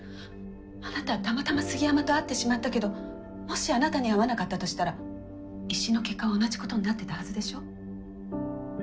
あなたはたまたま杉山と会ってしまったけどもしあなたに会わなかったとしたら１審の結果は同じことになってたはずでしょ。